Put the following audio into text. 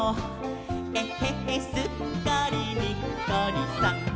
「えへへすっかりにっこりさん！」